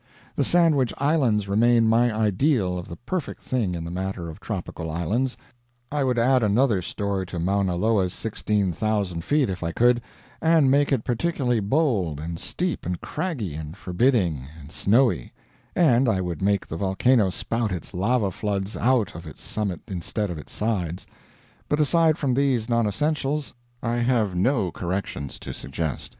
The Sandwich Islands remain my ideal of the perfect thing in the matter of tropical islands. I would add another story to Mauna Loa's 16,000 feet if I could, and make it particularly bold and steep and craggy and forbidding and snowy; and I would make the volcano spout its lava floods out of its summit instead of its sides; but aside from these non essentials I have no corrections to suggest.